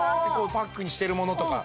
パックにしてるものとか。